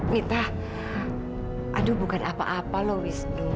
mita aduh bukan apa apa loh wisnu